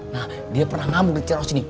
nah dia pernah ngamuk di cerah sini